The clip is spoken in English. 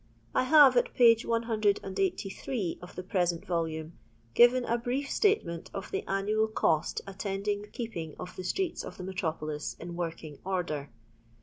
I BATB, at page 183 of the present volume, given a brief statement of the annual cost attending the keeping of the streets of the metropolis in work ing order.